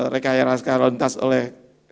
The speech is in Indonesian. rekayeran skala lantas oleh